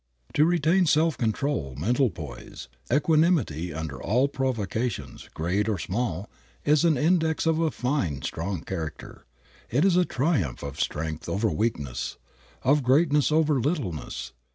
To retain self control, mental poise, equanimity, under all provocations, great or small, is an index of a fine strong character. It is a triumph of strength over weakness, of greatness over littleness.